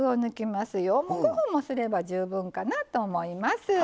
５分もすれば十分かなと思います。